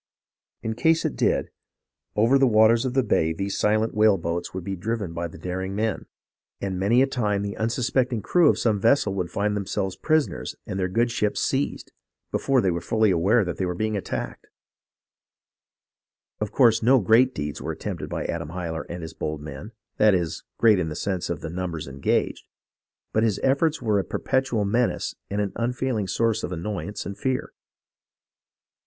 In case it did, over the waters of the bay these silent whale SUFFERINGft OF THE COMMON PEOPLE 28 1 boats would be driven by the daring men, and many a time the unsuspecting crew of some vessel would find themselves prisoners and their good ship seized, before they were fully aware that they were being attacked. Of course no great deeds were attempted by Adam Hyler and his bold men, that is, great in the sense of the numbers engaged, but his efforts were a perpetual menace and an unfailing source of annoyance and fear.